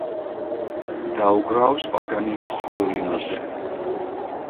დაუკრავს პაგანინის ვიოლინოზე.